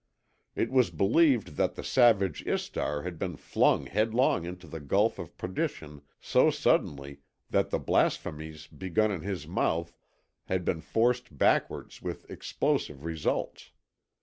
It was believed that the savage Istar had been flung headlong into the gulf of perdition so suddenly that the blasphemies begun in his mouth had been forced backwards with explosive results.